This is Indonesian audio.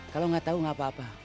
kalau enggak tahu enggak apa apa